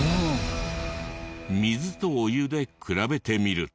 水とお湯で比べてみると。